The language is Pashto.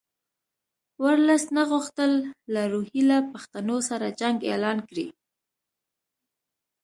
ورلسټ نه غوښتل له روهیله پښتنو سره جنګ اعلان کړي.